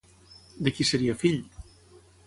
De qui seria fill?